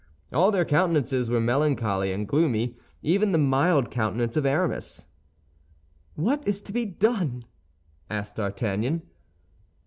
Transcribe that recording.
All their countenances were melancholy and gloomy, even the mild countenance of Aramis. "What is to be done?" asked D'Artagnan.